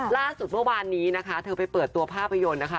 ล่าสุดเมื่อวานนี้นะคะเธอไปเปิดตัวภาพยนตร์นะคะ